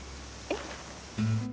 えっ。